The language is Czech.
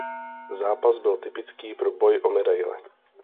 Zápas byl typický pro boj o medaile.